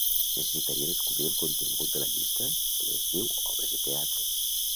Necessitaria descobrir el contingut de la llista que es diu "obres de teatre".